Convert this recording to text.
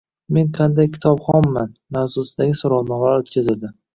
"Men qanday kitobxonman?” mavzusidagi so‘rovnomalar o‘tkazildi.